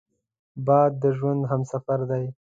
باد د ژوند همسفر دی